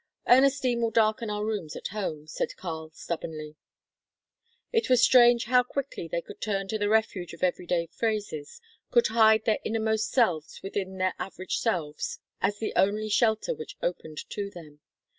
"Ernestine will darken our rooms at home," said Karl stubbornly. It was strange how quickly they could turn to the refuge of everyday phrases, could hide their innermost selves within their average selves as the only shelter which opened to them.